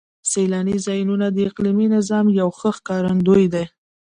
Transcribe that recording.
سیلاني ځایونه د اقلیمي نظام یو ښه ښکارندوی دی.